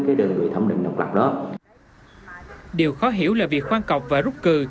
cái đơn vị thẩm định độc lập đó điều khó hiểu là việc khoan cọc và rút cừ